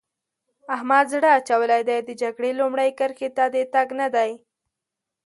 احمد زړه اچولی دی؛ د جګړې لومړۍ کرښې ته د تګ نه دی.